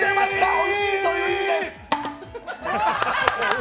おいしいという意味です！